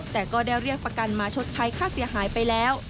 แต่ก็ได้เรียกประกันมาชดใช้ค่าเสียหายไปแล้ว